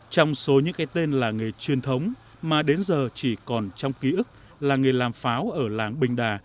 trong số những cái tên làng nghề truyền thống mà đến giờ chỉ còn trong ký ức làng nghề làm pháo ở làng bình đà